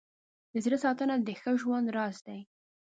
د زړه ساتنه د ښه ژوند راز دی.